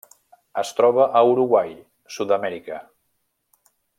Es troba a Uruguai, Sud-amèrica.